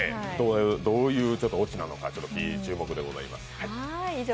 どういう落ちなのか注目でございます。